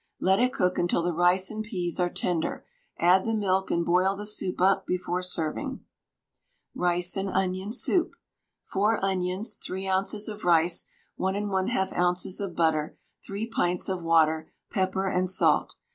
Let it cook until the rice and peas are tender, add the milk and boil the soup up before serving. RICE AND ONION SOUP. 4 onions, 3 oz. of rice, 1 1/2 oz. of butter, 3 pints of water, pepper and salt.